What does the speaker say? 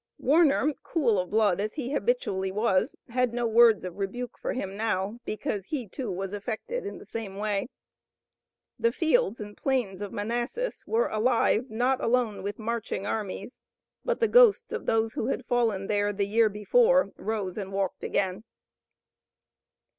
Warner, cool of blood as he habitually was, had no words of rebuke for him now, because he, too, was affected in the same way. The fields and plains of Manassas were alive not alone with marching armies, but the ghosts of those who had fallen there the year before rose and walked again.